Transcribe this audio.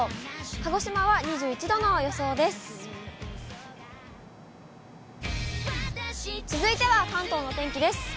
鹿児島は２１度の予想です。